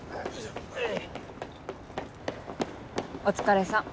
お疲れさん